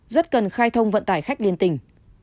rất cần khai thông vận tải khách liên tình